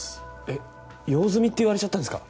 えっ用済みって言われちゃったんですか？